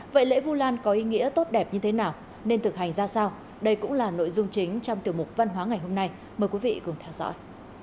vậy lễ vũ lan có ý nghĩa tốt đẹp như thế nào nên thực hành ra sao đây cũng là nội dung chính trong tiểu mục văn hóa ngày hôm nay mời quý vị cùng theo dõi